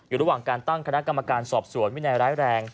อยู่ระหว่างการตั้งคณะกรรมการสอบสวนวินัยร้ายแรง